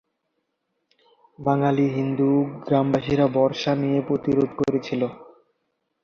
বাঙালি হিন্দু গ্রামবাসীরা বর্শা নিয়ে প্রতিরোধ করেছিল।